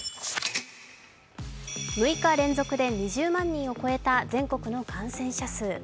６日連続で２０万人を超えた全国の感染者数。